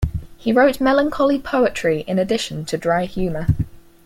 He wrote melancholy poetry in addition to dry humour.